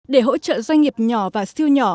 để hỗ trợ doanh nghiệp nhỏ và siêu nhỏ